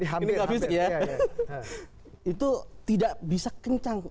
yaaya itu tidak bisa kencang